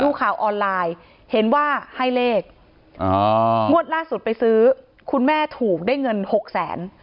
ดูข่าวออนไลน์เห็นว่าให้เลขงวดล่าสุดไปซื้อคุณแม่ถูกได้เงินหกแสน